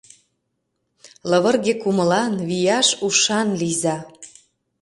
Лывырге кумылан, вияш ушан лийза!